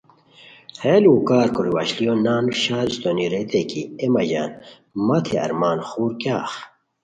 ہیہ لوؤ کار کوری وشلیو نان شا ر استونی ریتائے کی اے مہ ژان مہ تھے ارمان خور کیاغ